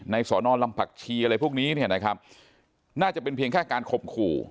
สอนอลำผักชีอะไรพวกนี้เนี่ยนะครับน่าจะเป็นเพียงแค่การข่มขู่